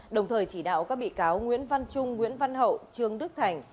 đồng thời chỉ đạo các bị cáo nguyễn văn trung nguyễn văn hậu trương đức thành